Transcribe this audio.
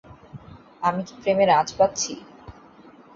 আমি কি প্রেমের আঁচ পাচ্ছি?